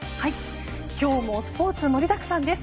今日もスポーツ盛りだくさんです。